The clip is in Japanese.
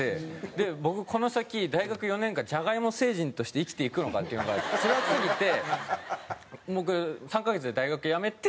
僕この先大学４年間じゃがいも星人として生きていくのかっていうのがつらすぎて僕３カ月で大学辞めて。